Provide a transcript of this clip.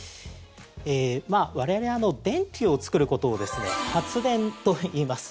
我々、電気を作ることを発電といいます。